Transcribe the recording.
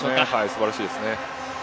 素晴らしいですね。